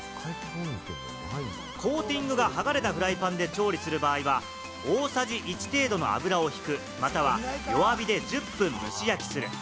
コーティングが剥がれたフライパンで調理する場合は、大さじ１程度の油をひく、または弱火で１０分蒸し焼きする。